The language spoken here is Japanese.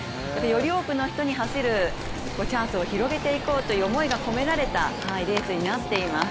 より多くの人に走るチャンスを広げていこうという思いが込められたレースになっています。